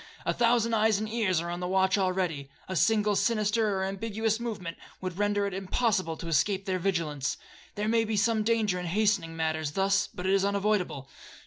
A thousand eyes and ears are on the watch already,—a single sinister or ambiguous movement would render it impossible to escape their vigilance. There may be some danger in hastening matters thus, but it is unavoidable.